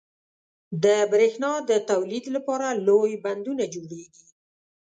• د برېښنا د تولید لپاره لوی بندونه جوړېږي.